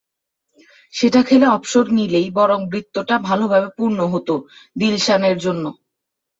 সেটা খেলে অবসর নিলেই বরং বৃত্তটা ভালোভাবে পূর্ণ হতো দিলশানের জন্য।